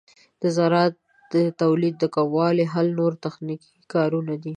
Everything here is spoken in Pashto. د زراعت د تولید د کموالي حل د نوو تخنیکونو کارول دي.